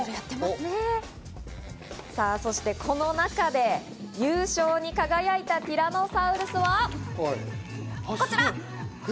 そして、この中で優勝に輝いたティラノサウルスは、こちら。